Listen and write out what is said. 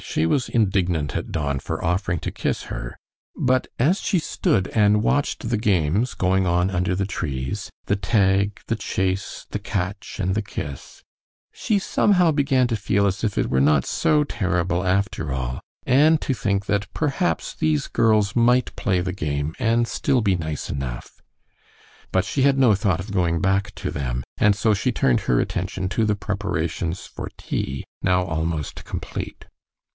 She was indignant at Don for offering to kiss her, but as she stood and watched the games going on under the trees the tag, the chase, the catch, and the kiss she somehow began to feel as if it were not so terrible after all, and to think that perhaps these girls might play the game and still be nice enough. But she had no thought of going back to them, and so she turned her attention to the preparations for tea, now almost complete.